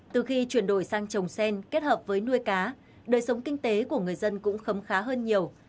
từ khi chuyển đổi sang trồng sen kết hợp với nuôi cá đời sống kinh tế của người dân cũng khấm khá hơn nhiều